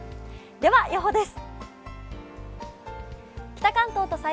では予報です。